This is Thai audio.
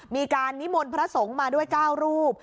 มีการนิมนต์พระสงฆ์มาด้วย๙รูป